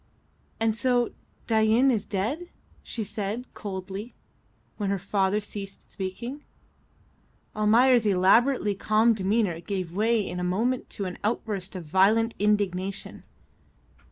"And so Dain is dead," she said coldly, when her father ceased speaking. Almayer's elaborately calm demeanour gave way in a moment to an outburst of violent indignation.